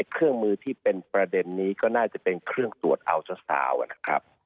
เครื่องมือที่เป็นประเด็นนี้ก็น่าจะเป็นเครื่องตรวจอัลเตอร์ซาวน์นะครับ